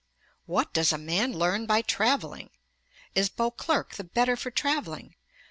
"What does a man learn by travelling? Is Beauclerk the better for travelling?